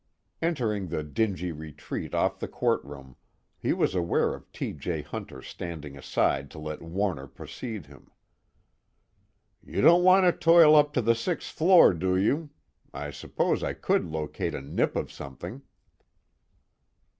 Entering the dingy retreat off the courtroom, he was aware of T. J. Hunter standing aside to let Warner precede him. "You don't want to toil up to the sixth floor, do you? I suppose I could locate a nip of something."